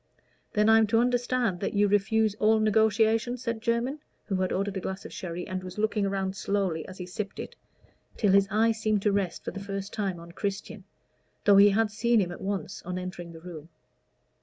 "Then I'm to understand that you refuse all negotiation?" said Jermyn, who had ordered a glass of sherry, and was looking around slowly as he sipped it, till his eyes seemed to rest for the first time on Christian, though he had seen him at once on entering the room.